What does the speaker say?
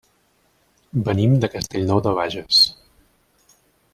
Venim de Castellnou de Bages.